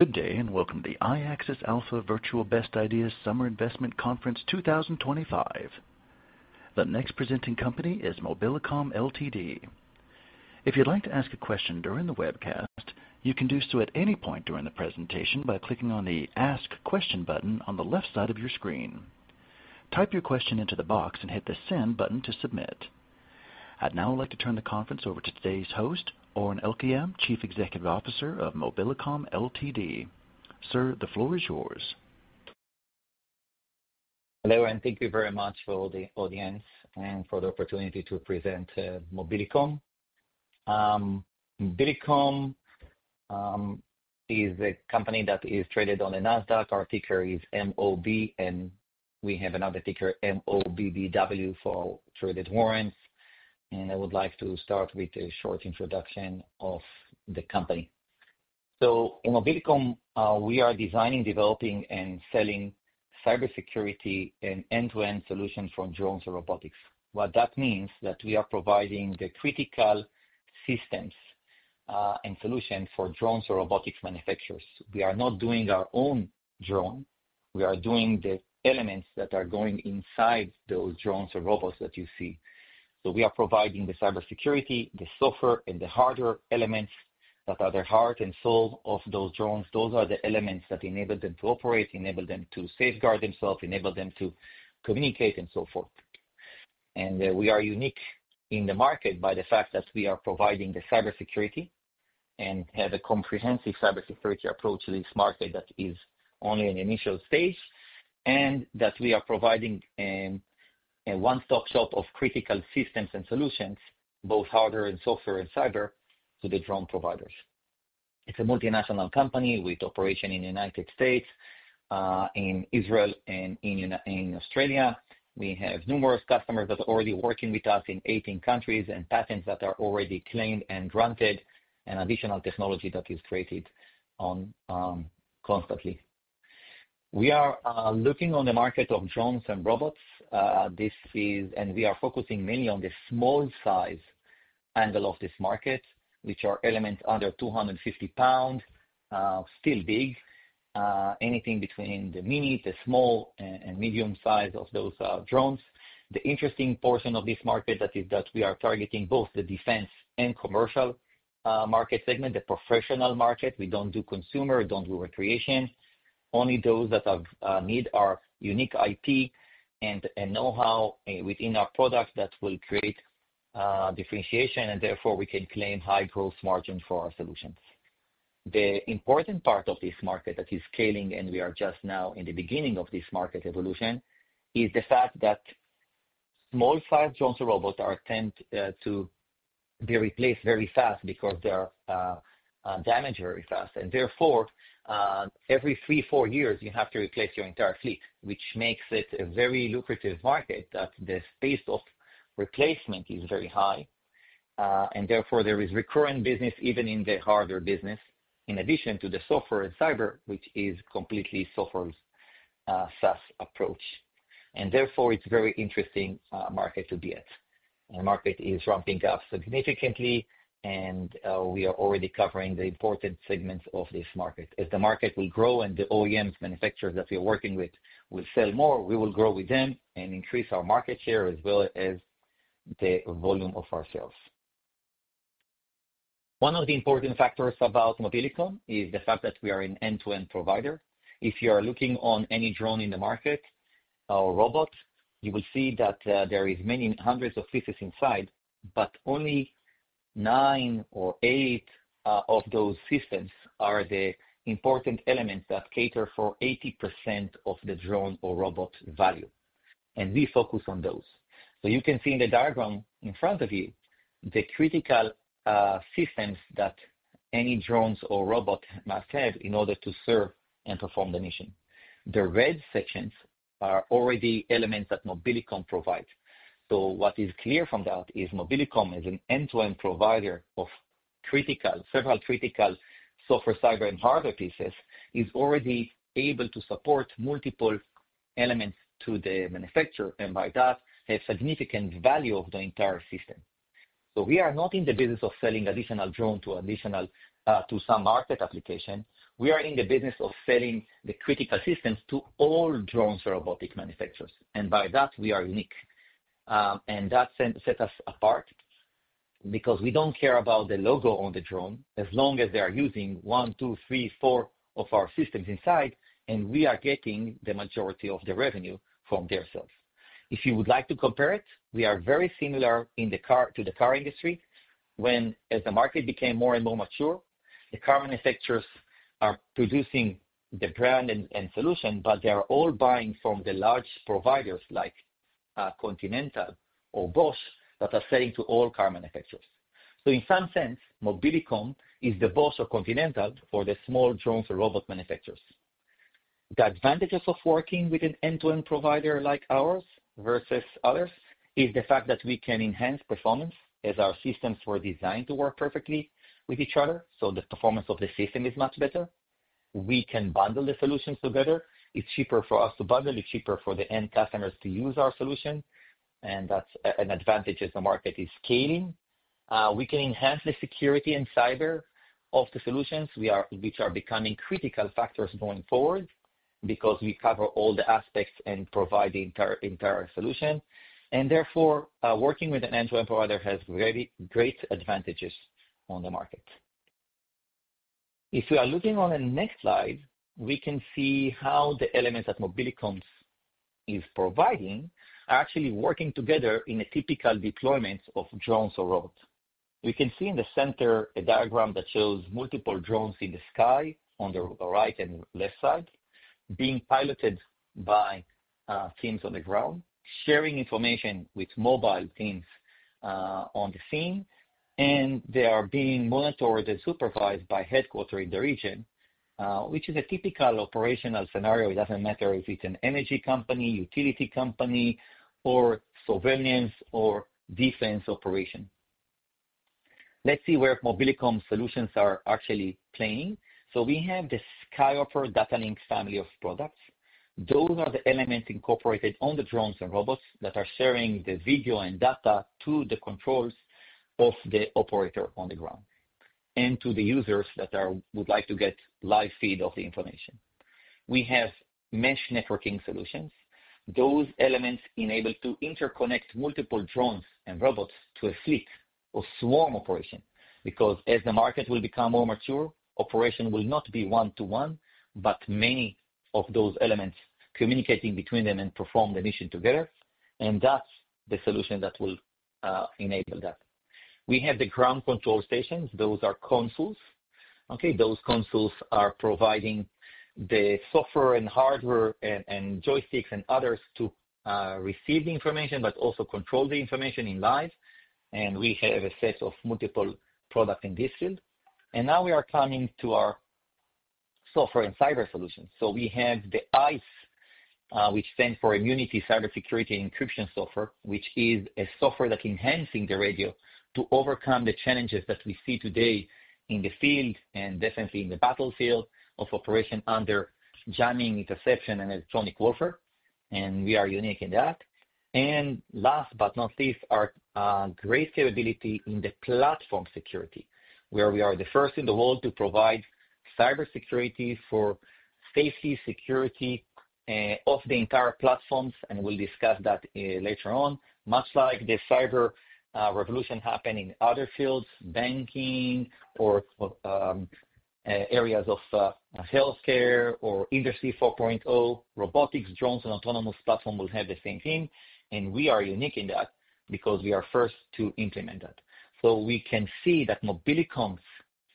Good day, and welcome to the iAccess Alpha Virtual Best Ideas Summer Investment Conference 2025. The next presenting company is Mobilicom Ltd. If you'd like to ask a question during the webcast, you can do so at any point during the presentation by clicking on the Ask Question button on the left side of your screen. Type your question into the box and hit the send button to submit. I'd now like to turn the conference over to today's host, Oren Elkayam, Chief Executive Officer of Mobilicom Ltd. Sir, the floor is yours. Hello, and thank you very much for the audience and for the opportunity to present Mobilicom. Mobilicom is a company that is traded on the Nasdaq. Our ticker is MOB, and we have another ticker, MOBBW, for traded warrants. I would like to start with a short introduction of the company. In Mobilicom, we are designing, developing, and selling cybersecurity and end-to-end solutions for drones and robotics. What that means is that we are providing the critical systems and solutions for drones or robotics manufacturers. We are not doing our own drone. We are doing the elements that are going inside those drones or robots that you see. We are providing the cybersecurity, the software and the hardware elements that are the heart and soul of those drones. Those are the elements that enable them to operate, enable them to safeguard themselves, enable them to communicate, and so forth. We are unique in the market by the fact that we are providing the cybersecurity and have a comprehensive cybersecurity approach to this market that is only in the initial stage, and that we are providing a one-stop shop of critical systems and solutions, both hardware and software and cyber, to the drone providers. It's a multinational company with operation in the United States, in Israel, and in Australia. We have numerous customers that are already working with us in 18 countries and patents that are already claimed and granted, and additional technology that is created constantly. We are looking on the market of drones and robots. We are focusing mainly on the small size angle of this market, which are elements under 250 lbs, still big. Anything between the mini, the small, and medium size of those drones. The interesting portion of this market is that we are targeting both the defense and commercial market segment, the professional market. We don't do consumer, don't do recreation, only those that need our unique IP and know-how within our product that will create differentiation, and therefore we can claim high gross margin for our solutions. The important part of this market that is scaling, and we are just now in the beginning of this market evolution, is the fact that small-sized drones or robots tend to be replaced very fast because they are damaged very fast. Therefore, every three, four years, you have to replace your entire fleet, which makes it a very lucrative market, that the space of replacement is very high. Therefore, there is recurring business even in the hardware business, in addition to the software and cyber, which is completely software's SaaS approach. Therefore, it's a very interesting market to be at. The market is ramping up significantly, and we are already covering the important segments of this market. As the market will grow and the OEM manufacturers that we are working with will sell more, we will grow with them and increase our market share as well as the volume of our sales. One of the important factors about Mobilicom is the fact that we are an end-to-end provider. If you are looking on any drone in the market or robot, you will see that there is many hundreds of pieces inside, but only nine or eight of those systems are the important elements that cater for 80% of the drone or robot value. We focus on those. You can see in the diagram in front of you the critical systems that any drones or robot must have in order to serve and perform the mission. The red sections are already elements that Mobilicom provides. What is clear from that is Mobilicom, as an end-to-end provider of several critical software, cyber, and hardware pieces, is already able to support multiple elements to the manufacturer, and by that, a significant value of the entire system. We are not in the business of selling additional drone to some market application. We are in the business of selling the critical systems to all drones or robotic manufacturers, and by that, we are unique. That set us apart because we don't care about the logo on the drone as long as they are using one, two, three, four of our systems inside, and we are getting the majority of the revenue from their sales. If you would like to compare it, we are very similar to the car industry. When, as the market became more and more mature, the car manufacturers are producing the brand and solution, but they are all buying from the large providers like Continental or Bosch that are selling to all car manufacturers. In some sense, Mobilicom is the Bosch or Continental for the small drones or robot manufacturers. The advantages of working with an end-to-end provider like ours versus others is the fact that we can enhance performance as our systems were designed to work perfectly with each other, so the performance of the system is much better. We can bundle the solutions together. It's cheaper for us to bundle, it's cheaper for the end customers to use our solution, and that's an advantage as the market is scaling. We can enhance the security and cyber of the solutions, which are becoming critical factors going forward because we cover all the aspects and provide the entire solution. Therefore, working with an end-to-end provider has very great advantages on the market. If you are looking on the next slide, we can see how the elements that Mobilicom is providing are actually working together in a typical deployment of drones or robots. We can see in the center a diagram that shows multiple drones in the sky on the right and left side, being piloted by teams on the ground, sharing information with mobile teams on the scene, and they are being monitored and supervised by headquarters in the region, which is a typical operational scenario. It doesn't matter if it's an energy company, utility company, or surveillance or defense operation. Let's see where Mobilicom solutions are actually playing. We have the SkyHopper data link family of products. Those are the elements incorporated on the drones and robots that are sharing the video and data to the controls of the operator on the ground and to the users that would like to get live feed of the information. We have Mesh Networking solutions. Those elements enable to interconnect multiple drones and robots to a fleet or swarm operation, because as the market will become more mature, operation will not be one-to-one, but many of those elements communicating between them and perform the mission together. That's the solution that will enable that. We have the Ground Control Stations. Those are consoles. Okay? Those consoles are providing the software and hardware and joysticks and others to receive the information, but also control the information in live. We have a set of multiple product in this field. Now we are coming to our software and cyber solutions. We have the ICE, which stands for Immunity, Cybersecurity, and Encryption software, which is a software that enhancing the radio to overcome the challenges that we see today in the field and definitely in the battlefield of operation under jamming, interception, and electronic warfare. We are unique in that. Last but not least, our great capability in the platform security, where we are the first in the world to provide cybersecurity for safety, security of the entire platforms, and we'll discuss that later on. Much like the cyber revolution happened in other fields, banking or areas of healthcare or Industry 4.0, robotics, drones, and autonomous platform will have the same thing, and we are unique in that because we are first to implement it. We can see that Mobilicom's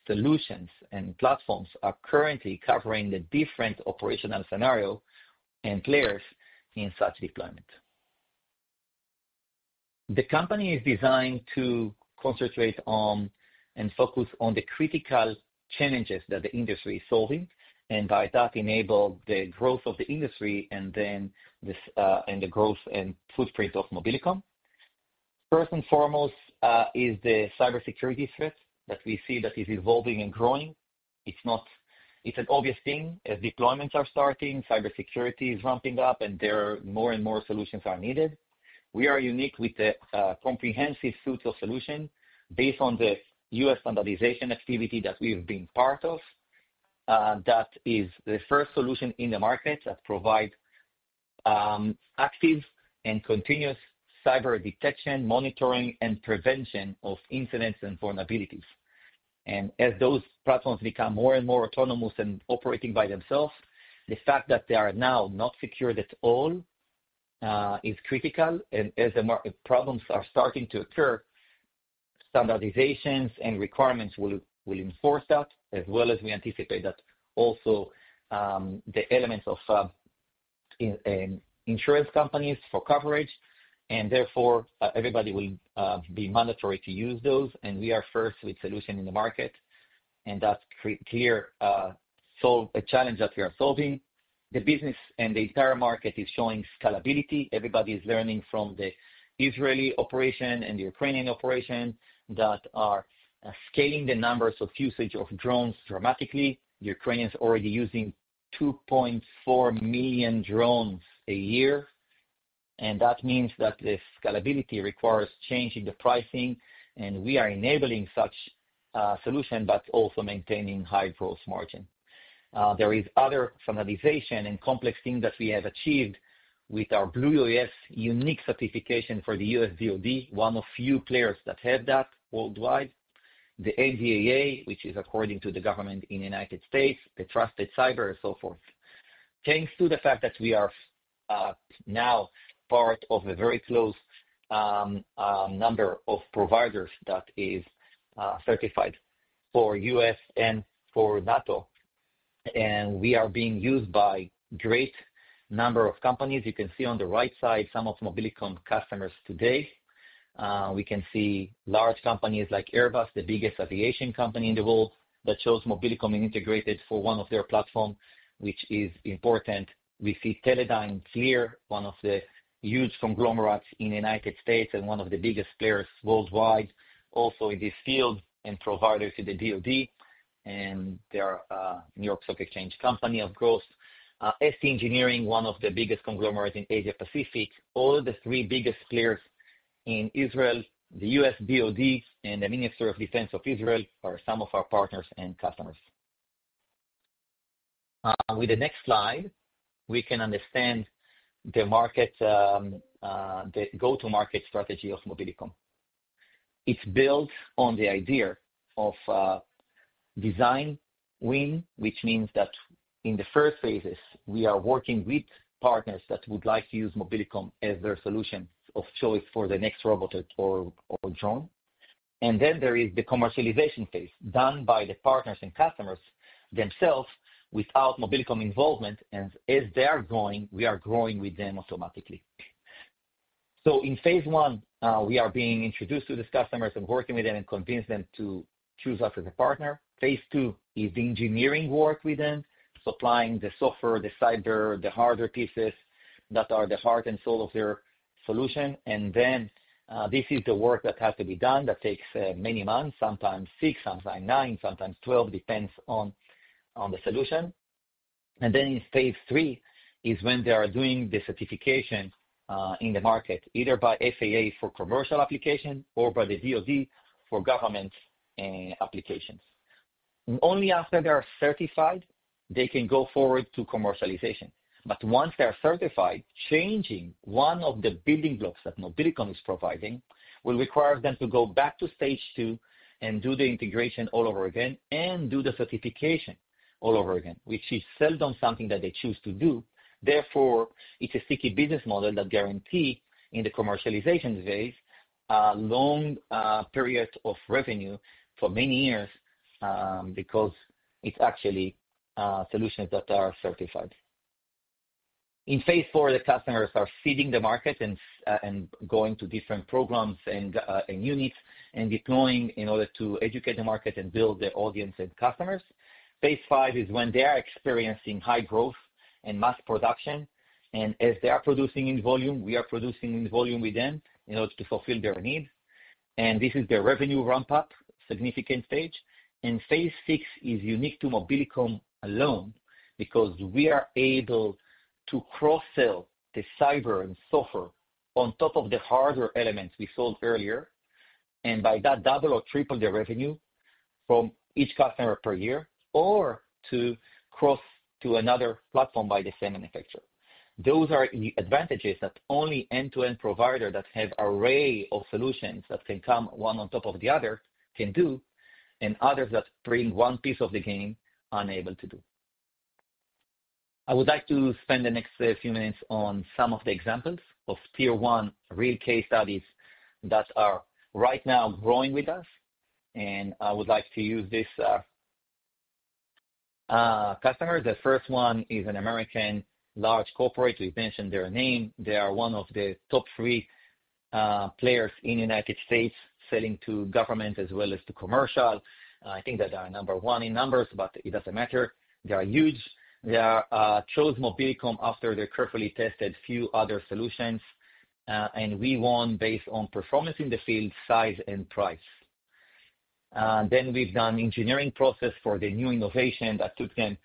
solutions and platforms are currently covering the different operational scenario and players in such deployment. The company is designed to concentrate on and focus on the critical challenges that the industry is solving, and by that, enable the growth of the industry and the growth and footprint of Mobilicom. First and foremost is the cybersecurity threat that we see that is evolving and growing. It's an obvious thing. As deployments are starting, cybersecurity is ramping up, and there, more and more solutions are needed. We are unique with the comprehensive suite of solution based on the U.S. standardization activity that we've been part of. That is the first solution in the market that provide active and continuous cyber detection, monitoring, and prevention of incidents and vulnerabilities. As those platforms become more and more autonomous and operating by themselves, the fact that they are now not secured at all is critical. As the problems are starting to occur, standardizations and requirements will enforce that, as well as we anticipate that also the elements of insurance companies for coverage, and therefore everybody will be mandatory to use those, and we are first with solution in the market, and that's clearly solving a challenge that we are solving. The business and the entire market is showing scalability. Everybody is learning from the Israeli operation and the Ukrainian operation that are scaling the numbers of usage of drones dramatically. The Ukrainians are already using 2.4 million drones a year, and that means that the scalability requires change in the pricing, and we are enabling such solution, but also maintaining high gross margin. There is other standardization and complex thing that we have achieved with our Blue UAS unique certification for the U.S. DoD, one of few players that have that worldwide. The NDAA, which is according to the government in the United States, a trusted cyber, and so forth. Thanks to the fact that we are now part of a very close number of providers that is certified for U.S. and for NATO, and we are being used by great number of companies. You can see on the right side some of Mobilicom customers today. We can see large companies like Airbus, the biggest aviation company in the world, that chose Mobilicom integrated for one of their platform, which is important. We see Teledyne FLIR, one of the huge conglomerates in the United States and one of the biggest players worldwide, also in this field and providers to the DoD. They are a New York Stock Exchange company, of course. ST Engineering, one of the biggest conglomerates in Asia-Pacific. All the three biggest players in Israel, the U.S. DoD, and the Minister of Defense of Israel are some of our partners and customers. With the next slide, we can understand the go-to-market strategy of Mobilicom. It's built on the idea of design win, which means that in the first phases, we are working with partners that would like to use Mobilicom as their solution of choice for the next robot or drone. Then there is the commercialization phase, done by the partners and customers themselves without Mobilicom involvement. As they are growing, we are growing with them automatically. In phase 1, we are being introduced to these customers and working with them and convince them to choose us as a partner. Phase 2 is engineering work with them, supplying the software, the cyber, the hardware pieces that are the heart and soul of their solution. Then this is the work that has to be done that takes many months, sometimes six, sometimes nine, sometimes 12, depends on the solution. In phase 3 is when they are doing the certification in the market, either by FAA for commercial application or by the DoD for government applications. Only after they are certified, they can go forward to commercialization. Once they're certified, changing one of the building blocks that Mobilicom is providing will require them to go back to phase 2 and do the integration all over again and do the certification all over again, which is seldom something that they choose to do. Therefore, it's a sticky business model that guarantee in the commercialization phase, long periods of revenue for many years, because it's actually solutions that are certified. In phase 4, the customers are feeding the market and going to different programs and units and deploying in order to educate the market and build their audience and customers. Phase 5 is when they are experiencing high growth and mass production. As they are producing in volume, we are producing in volume with them in order to fulfill their needs. This is the revenue ramp-up significant stage. Phase 6 is unique to Mobilicom alone because we are able to cross-sell the cyber and software on top of the hardware elements we sold earlier, and by that double or triple the revenue from each customer per year, or to cross to another platform by the same manufacturer. Those are the advantages that only end-to-end providers that have an array of solutions that can come one on top of the other can do, and others that bring one piece of the game are unable to do. I would like to spend the next few minutes on some of the examples of Tier-1 real case studies that are right now growing with us, and I would like to use this customer. The first one is an American large corporation. We've mentioned their name. They are one of the top three players in the United States selling to government as well as to commercial. I think that they are number one in numbers, but it doesn't matter. They are huge. They chose Mobilicom after they carefully tested a few other solutions, and we won based on performance in the field, size, and price. We've done engineering process for the new innovation that took them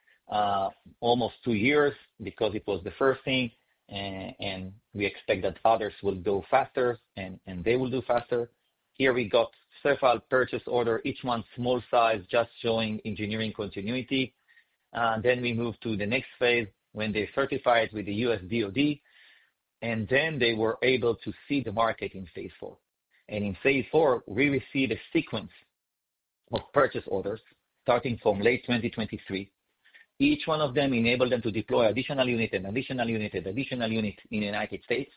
almost two years because it was the first thing, and we expect that others will go faster, and they will do faster. Here we got several purchase orders, each one small size, just showing engineering continuity. We move to the next phase, when they certified with the U.S. DoD, and then they were able to see the market in phase 4. In phase 4, we received a sequence of purchase orders starting from late 2023. Each one of them enabled them to deploy additional units in the United States.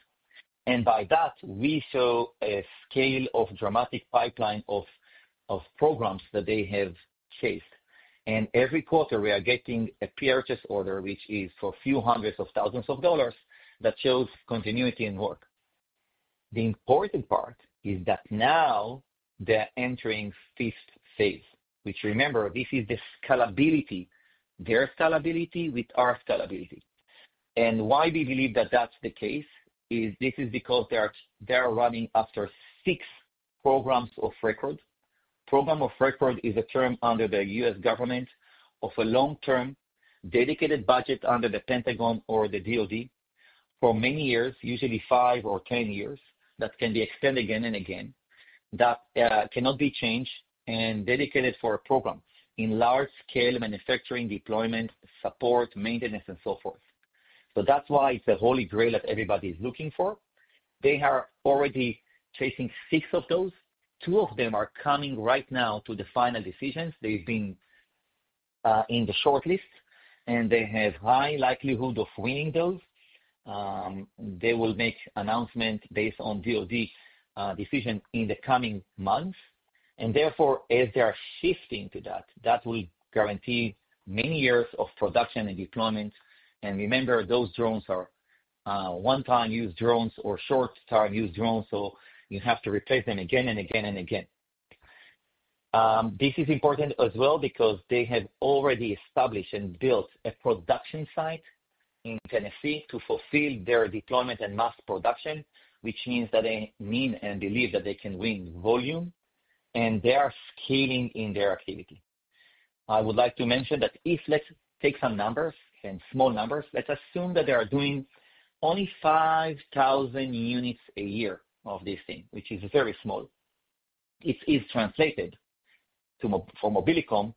By that, we show a scale of dramatic pipeline of programs that they have chased. Every quarter, we are getting a purchase order, which is for a few hundred thousand dollars that shows continuity and work. The important part is that now they're entering fifth phase, which, remember, this is the scalability, their scalability with our scalability. Why we believe that that's the case is this is because they're running after six programs of record. Program of record is a term under the U.S. government of a long-term dedicated budget under the Pentagon or the DoD for many years, usually five or 10 years, that can be extended again and again, that cannot be changed and dedicated for a program in large scale manufacturing, deployment, support, maintenance, and so forth. That's why it's a holy grail that everybody's looking for. They are already chasing six of those. Two of them are coming right now to the final decisions. They've been in the shortlist, and they have high likelihood of winning those. They will make announcement based on DoD decision in the coming months, and therefore, as they are shifting to that will guarantee many years of production and deployment. Remember, those drones are one-time use drones or short-term use drones, so you have to replace them again and again and again. This is important as well because they have already established and built a production site in Tennessee to fulfill their deployment and mass production, which means that they mean and believe that they can win volume, and they are scaling in their activity. I would like to mention that if, let's take some numbers, and small numbers. Let's assume that they are doing only 5,000 units a year of this thing, which is very small. It is translated for Mobilicom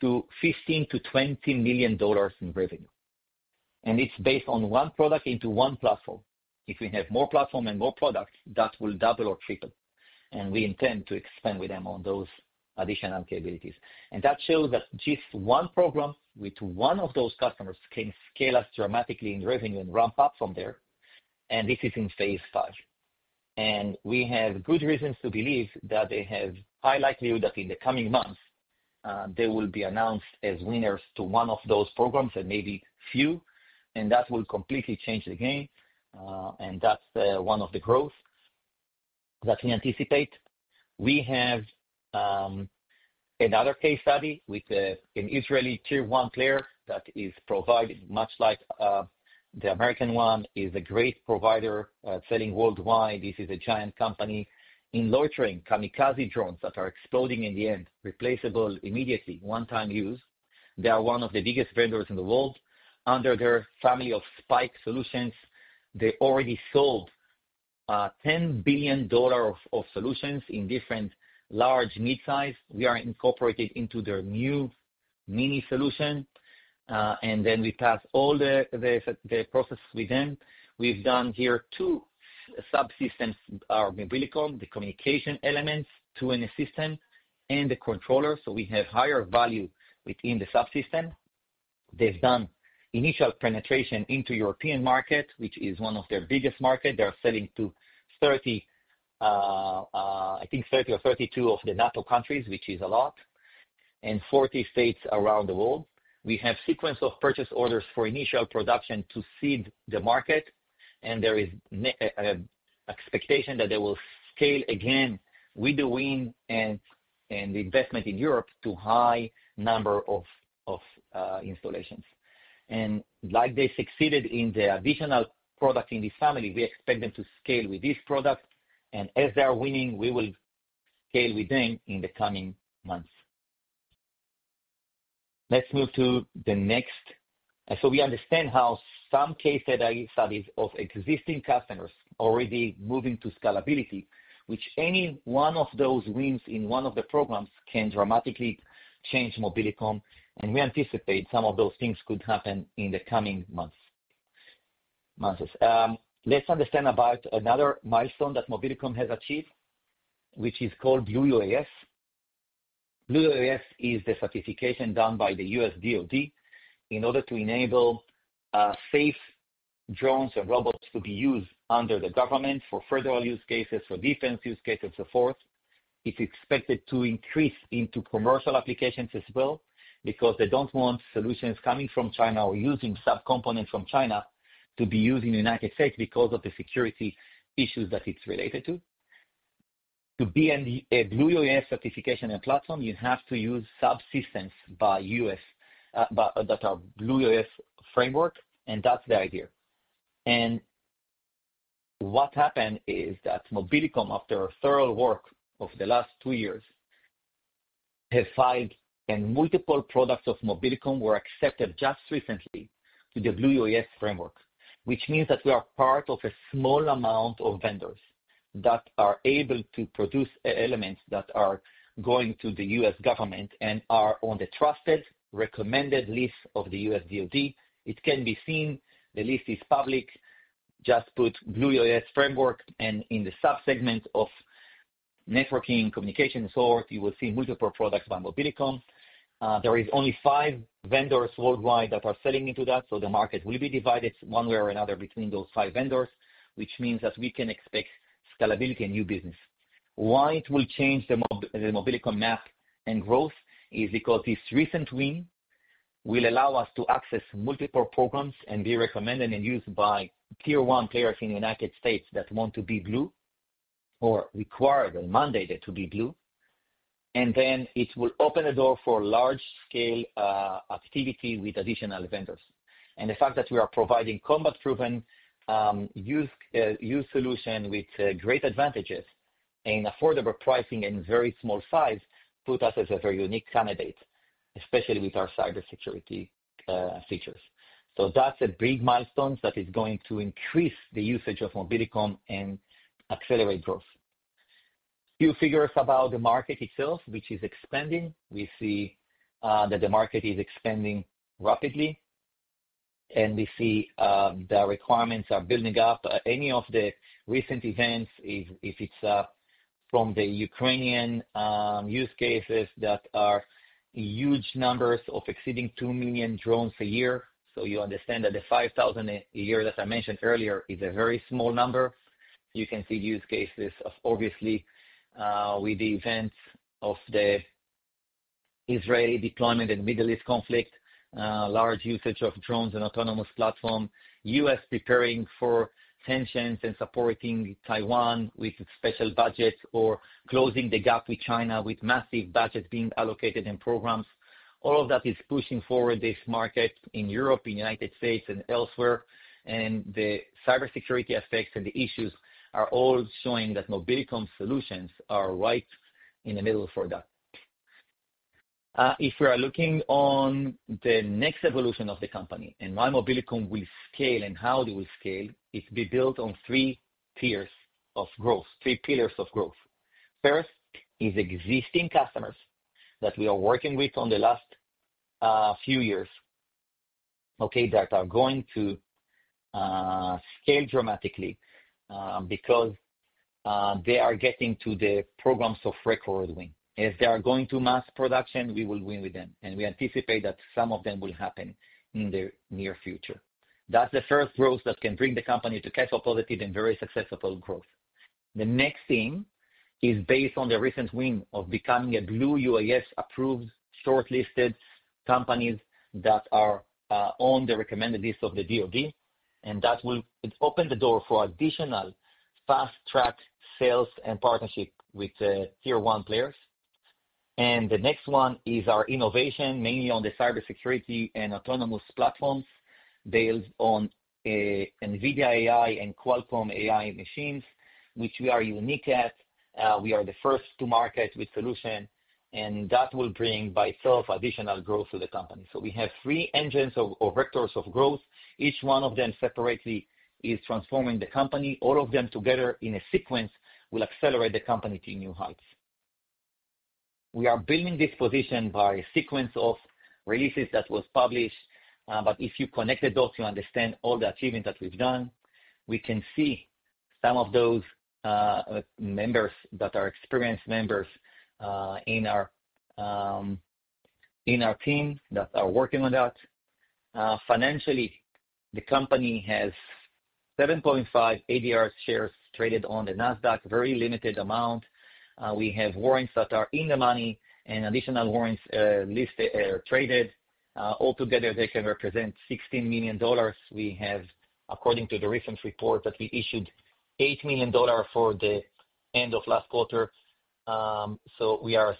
to $15-$20 million in revenue. It's based on one product into one platform. If we have more platform and more product, that will double or triple. We intend to expand with them on those additional capabilities. That shows that just one program with one of those customers can scale us dramatically in revenue and ramp up from there. This is in phase 5. We have good reasons to believe that they have high likelihood that in the coming months, they will be announced as winners to one of those programs, or maybe few, and that will completely change the game. That's one of the growth that we anticipate. We have another case study with an Israeli Tier-1 player that is providing much like the American one, is a great provider selling worldwide. This is a giant company in loitering kamikaze drones that are exploding in the end, replaceable immediately, one-time use. They are one of the biggest vendors in the world. Under their family of Spike solutions, they already sold $10 billion of solutions in different large mid-size. We are incorporated into their new mini-solution. We passed all the process with them. We've done here two subsystems, our Mobilicom, the communication elements to an assistant and the controller. We have higher value within the subsystem. They've done initial penetration into European market, which is one of their biggest market. They're selling to 30, I think 30 or 32 of the NATO countries, which is a lot, and 40 states around the world. We have sequence of purchase orders for initial production to seed the market, and there is expectation that they will scale again with the win and the investment in Europe to high number of installations. Like they succeeded in the additional product in this family, we expect them to scale with this product. As they are winning, we will scale with them in the coming months. Let's move to the next. We understand how some case studies of existing customers already moving to scalability, which any one of those wins in one of the programs can dramatically change Mobilicom, and we anticipate some of those things could happen in the coming months. Let's understand about another milestone that Mobilicom has achieved, which is called Blue UAS. Blue UAS is the certification done by the U.S. DoD in order to enable safe drones and robots to be used under the government for federal use cases, for defense use cases, so forth. It's expected to increase into commercial applications as well because they don't want solutions coming from China or using subcomponents from China to be used in the United States because of the security issues that it's related to. To be a Blue UAS certification and platform, you have to use subsystems that are Blue UAS framework, and that's the idea. What happened is that Mobilicom, after thorough work of the last two years, have five and multiple products of Mobilicom were accepted just recently to the Blue UAS framework, which means that we are part of a small amount of vendors that are able to produce elements that are going to the U.S. government and are on the trusted, recommended list of the U.S. DoD. It can be seen. The list is public. Just put Blue UAS framework, and in the subsegment of networking communication and sort, you will see multiple products by Mobilicom. There is only five vendors worldwide that are selling into that, so the market will be divided one way or another between those five vendors, which means that we can expect scalability and new business. Why it will change the Mobilicom map and growth is because this recent win will allow us to access multiple programs and be recommended and used by Tier-1 players in the United States that want to be Blue or required or mandated to be Blue. It will open the door for large-scale activity with additional vendors. The fact that we are providing combat-proven used solution with great advantages and affordable pricing and very small size, put us as a very unique candidate, especially with our cybersecurity features. That's a big milestone that is going to increase the usage of Mobilicom and accelerate growth. Few figures about the market itself, which is expanding. We see that the market is expanding rapidly, and we see the requirements are building up. Any of the recent events is if it's from the Ukrainian use cases that are huge numbers exceeding 2 million drones a year. You understand that the 5,000 a year, as I mentioned earlier, is a very small number. You can see use cases obviously with the events of the Israeli deployment in Middle East conflict, large usage of drones and autonomous platform, U.S. preparing for sanctions and supporting Taiwan with special budgets or closing the gap with China, with massive budget being allocated in programs. All of that is pushing forward this market in Europe, in United States, and elsewhere. The cybersecurity effects and the issues are all showing that Mobilicom solutions are right in the middle for that. If we are looking on the next evolution of the company and why Mobilicom will scale and how it will scale, it will be built on three pillars of growth. First is existing customers that we are working with on the last few years, okay, that are going to scale dramatically because they are getting to the programs of record win. If they are going to mass production, we will win with them, and we anticipate that some of them will happen in the near future. That's the first growth that can bring the company to cash flow positive and very successful growth. The next thing is based on the recent win of becoming a Blue UAS approved shortlisted companies that are on the recommended list of the DoD, and that will open the door for additional fast-track sales and partnership with the Tier-1 players. The next one is our innovation, mainly on the cybersecurity and autonomous platforms built on NVIDIA AI and Qualcomm AI machines, which we are unique at. We are the first to market with solution, and that will bring by itself additional growth to the company. We have three engines or vectors of growth. Each one of them separately is transforming the company. All of them together in a sequence will accelerate the company to new heights. We are building this position by a sequence of releases that was published, but if you connect the dots, you understand all the achievements that we've done. We can see some of those members that are experienced members in our team that are working on that. Financially, the company has 7.5 million ADR shares traded on the Nasdaq, very limited amount. We have warrants that are in the money and additional warrants listed or traded. Altogether, they can represent $16 million. According to the recent report, we had $8 million at the end of last quarter. We have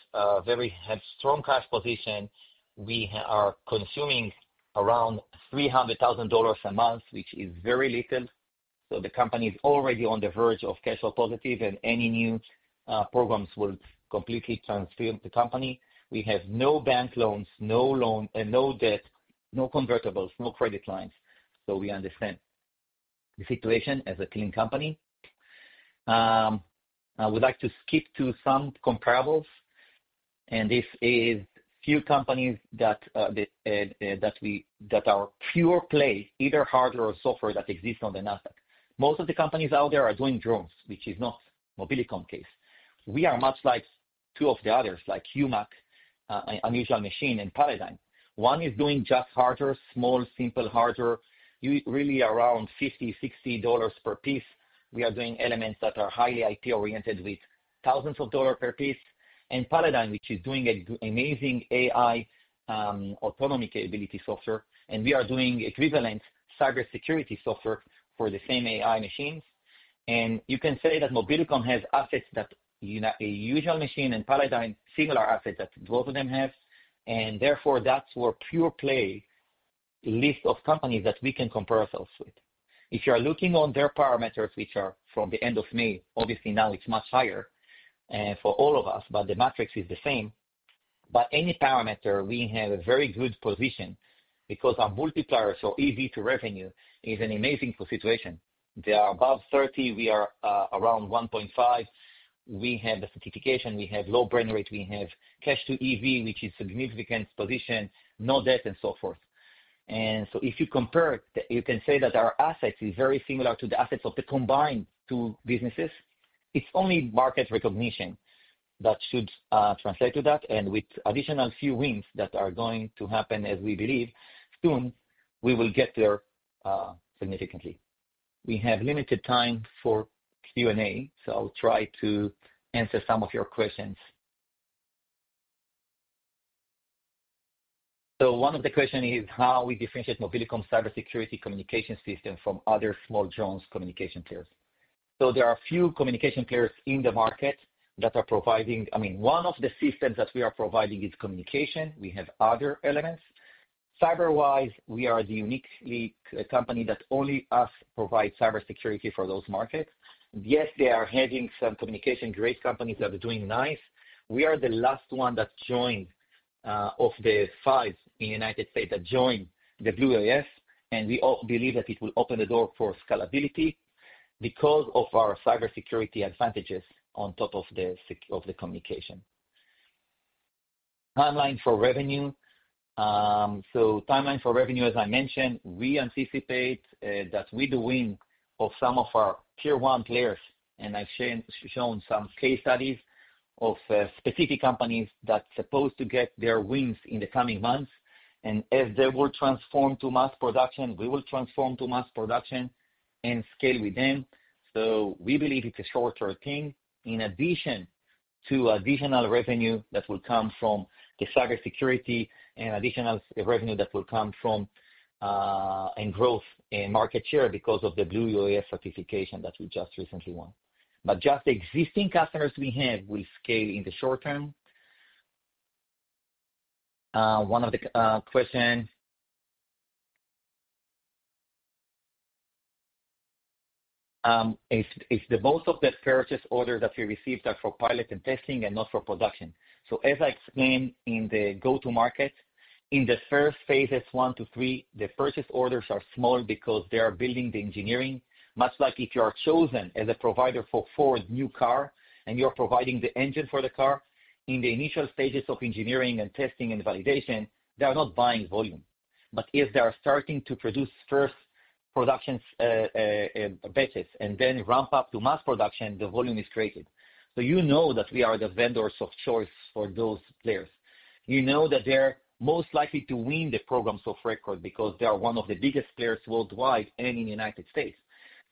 strong cash position. We are consuming around $300,000 a month, which is very little. The company is already on the verge of cash flow positive and any new programs will completely transform the company. We have no bank loans, no loan and no debt, no convertibles, no credit lines. We understand the situation as a clean company. I would like to skip to some comparables, and this is few companies that are pure play, either hardware or software that exists on the Nasdaq. Most of the companies out there are doing drones, which is not Mobilicom case. We are much like two of the others, like (UMAC) Unusual Machines, and Palladyne. One is doing just hardware, small, simple hardware, really around $50, $60 per piece. We are doing elements that are highly IT-oriented with thousands of dollars per piece. Palladyne, which is doing amazing AI autonomy capability software, and we are doing equivalent cybersecurity software for the same AI machines. You can say that Mobilicom has assets that Unusual Machines and Palladyne, similar assets that both of them have. Therefore that's where pure play list of companies that we can compare ourselves with. If you are looking on their parameters, which are from the end of May, obviously now it's much higher for all of us, but the matrix is the same. By any parameter, we have a very good position because our multipliers or EV to revenue is an amazing situation. They are above 30, we are around 1.5. We have a certification, we have low burn rate, we have cash to EV, which is significant position, no debt, and so forth. If you compare, you can say that our assets is very similar to the assets of the combined two businesses. It's only market recognition that should translate to that. With additional few wins that are going to happen, as we believe, soon, we will get there significantly. We have limited time for Q&A, so I'll try to answer some of your questions. One of the question is how we differentiate Mobilicom cybersecurity communication system from other small drones communication peers. There are few communication peers in the market that are providing. I mean, one of the systems that we are providing is communication. We have other elements. Cyber wise, we are the unique company that only we provide cybersecurity for those markets. Yes, they are having some communication, great companies that are doing nicely. We are the last one that joined, of the five in United States, that joined the Blue UAS, and we believe that it will open the door for scalability because of our cybersecurity advantages on top of the communication. Timeline for revenue. Timeline for revenue, as I mentioned, we anticipate that with the win of some of our Tier-1 players, and I've shown some case studies of specific companies that's supposed to get their wins in the coming months. As they will transform to mass production, we will transform to mass production and scale with them. We believe it's a short-term thing. In addition to additional revenue that will come from the cybersecurity, and growth in market share because of the Blue UAS certification that we just recently won. Just the existing customers we have will scale in the short term. One of the questions, if the most of the purchase orders that we received are for pilot and testing and not for production. As I explained in the go-to market, in the first phases 1 to 3, the purchase orders are small because they are building the engineering. Much like if you are chosen as a provider for Ford new car, and you're providing the engine for the car, in the initial stages of engineering and testing and validation, they are not buying volume. If they are starting to produce first productions batches and then ramp up to mass production, the volume is created. You know that we are the vendors of choice for those players. You know that they're most likely to win the Programs of Record because they are one of the biggest players worldwide and in the United States.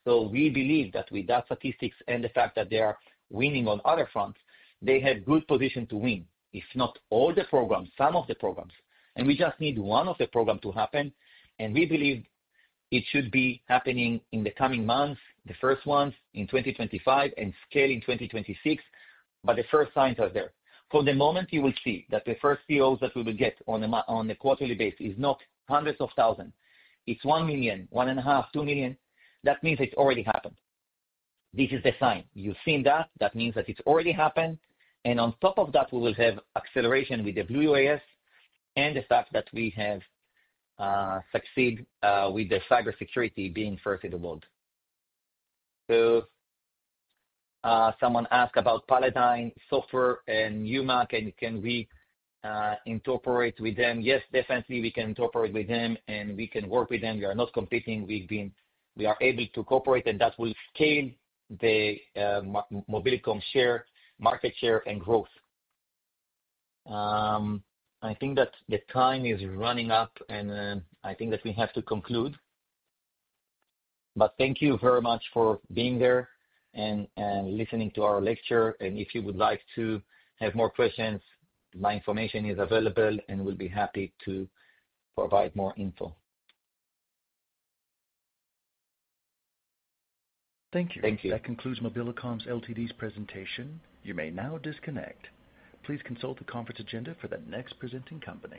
We believe that with that statistics and the fact that they are winning on other fronts, they have good position to win, if not all the programs, some of the programs, and we just need one of the program to happen, and we believe it should be happening in the coming months, the first ones in 2025 and scale in 2026, but the first signs are there. From the moment you will see that the first POs that we will get on a quarterly basis is not hundreds of thousands, it's $1 million, $1.5 million, $2 million, that means it's already happened. This is the sign. You've seen that means that it's already happened. On top of that, we will have acceleration with the Blue UAS and the fact that we have succeed with the cybersecurity being first in the world. Someone asked about Palladyne software and new market, can we incorporate with them? Yes, definitely, we can incorporate with them, and we can work with them. We are not competing. We are able to cooperate, and that will scale the Mobilicom market share and growth. I think that the time is running up, and I think that we have to conclude. Thank you very much for being there and listening to our lecture. If you would like to have more questions, my information is available, and we'll be happy to provide more info. Thank you. Thank you. That concludes Mobilicom Ltd's presentation. You may now disconnect. Please consult the conference agenda for the next presenting company.